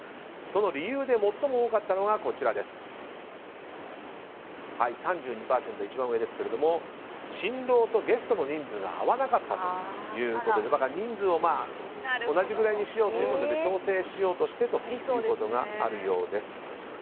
その理由で最も多かったのが３２％、一番上ですけれども新郎とゲストの人数が合わなかったということで人数を同じくらいにしようとして調整しようとしてということがあるようです。